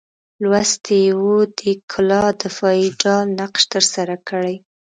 لوستي وو دې کلا دفاعي ډال نقش ترسره کړی.